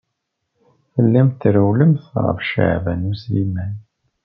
Tellamt trewwlemt ɣef Caɛban U Sliman.